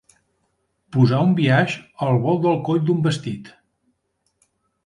Posar un biaix al volt del coll d'un vestit.